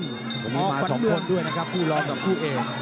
อขวัญเมืองมีมาสองคนด้วยนะครับผู้รองกับผู้เอก